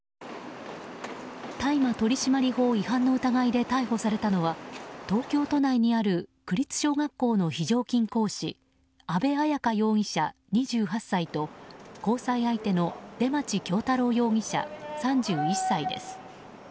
大麻取締法違反の疑いで逮捕されたのは東京都内にある区立小学校の非常勤講師安部綾香容疑者、２８歳と交際相手の出町恭太郎容疑者、３１歳です。